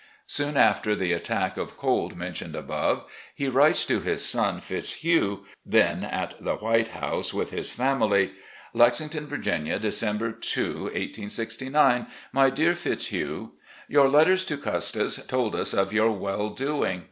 Soon after the attack of cold mentioned above, he writes to his son Fitzhugh, then at the "White House" with his family: "Lexington, Virginia, December 2, 1869. " My Dear Fitzhugh: ... Your letters to Custis told us of your well doing.